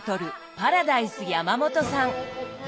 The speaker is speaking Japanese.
パラダイス山元さん。